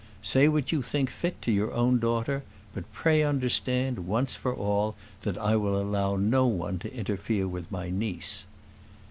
Say what you think fit to your own daughter; but pray understand, once for all, that I will allow no one to interfere with my niece."